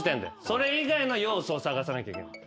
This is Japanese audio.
それ以外の要素を探さなきゃいけない。